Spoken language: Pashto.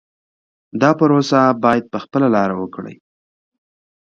دا پروسه باید په خپله لاره وکړي.